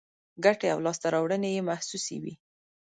ګټې او لاسته راوړنې یې محسوسې وي.